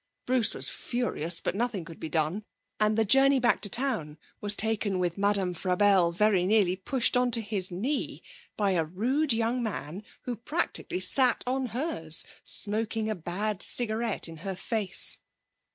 Bruce was furious, but nothing could be done, and the journey back to town was taken with Madame Frabelle very nearly pushed on to his knee by a rude young man who practically sat on hers, smoking a bad cigarette in her face.